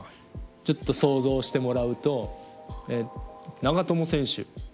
ちょっと想像してもらうと長友選手